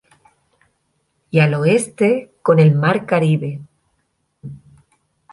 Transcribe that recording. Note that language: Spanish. Y al oeste, con el mar Caribe.